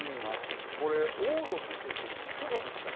往路を見ていて、いかがでしたか？